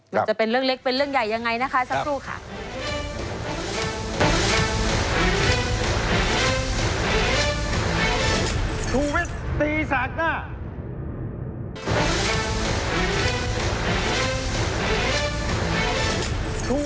มันจะเป็นเรื่องเล็กเป็นเรื่องใหญ่ยังไงนะคะสักครู่ค่ะ